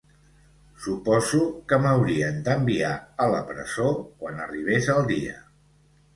Suposo que m'haurien d'enviar a la presó quan arribés el dia.